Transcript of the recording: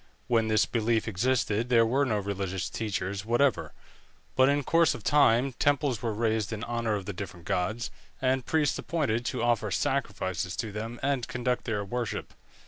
When this belief existed there were no religious teachers whatever; but in course of time temples were raised in honour of the different gods, and priests appointed to offer sacrifices to them and conduct their worship.